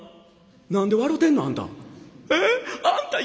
「何で笑うてんの？あんた。